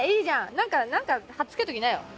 何かはっつけときなよ